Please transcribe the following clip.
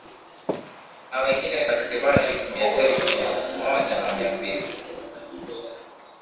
na wengine takriban elfu mia elfu moja na mia mbili